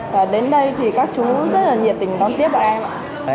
và đến đây thì các chú rất là nhiệt tình đón tiếp với em